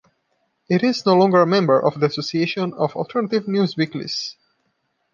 It is no longer a member of the Association of Alternative Newsweeklies.